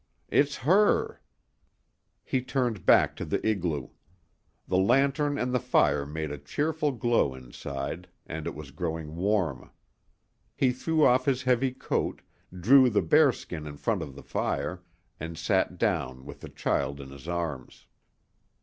It's her " He turned back to the igloo. The lantern and the fire made a cheerful glow inside, and it was growing warm. He threw off his heavy coat, drew the bearskin in front of the fire, and sat down with the child in his arms.